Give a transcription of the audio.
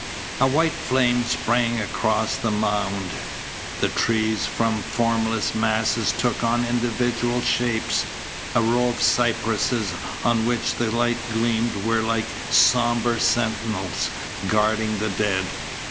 A white flame sprang across the mound. The trees from formless masses took on individual shapes. A row of cypresses on which the light gleamed were like sombre sentinels, guarding the dead.